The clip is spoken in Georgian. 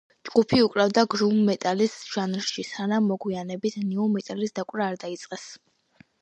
ჯგუფი უკრავდა გრუვ მეტალის ჟანრში, სანამ მოგვიანებით ნიუ მეტალის დაკვრა არ დაიწყეს.